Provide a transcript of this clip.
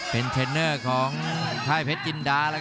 รับทราบบรรดาศักดิ์